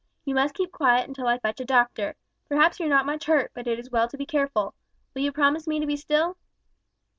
"You must keep quiet until I fetch a doctor. Perhaps you're not much hurt, but it is well to be careful. Will you promise me to be still?"